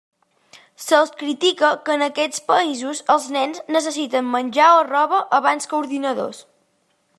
Se'ls critica que en aquests països els nens necessiten menjar o roba, abans que ordinadors.